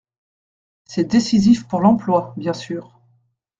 C’est décisif pour l’emploi bien sûr.